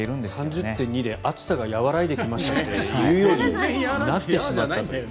３０．２で暑さが和らいでしまったと言うようになってしまった。